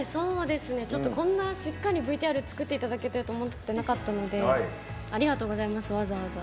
こんなしっかりＶＴＲ作っていただけてると思っていなかったのでありがとうございますわざわざ。